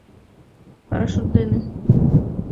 Парашют дене.